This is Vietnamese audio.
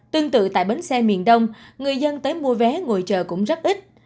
tương tự tại bến xe miền đông người dân tới mua vé ngồi chờ cũng rất ít